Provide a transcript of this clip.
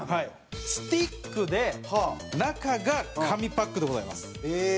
スティックで中が紙パックでございます。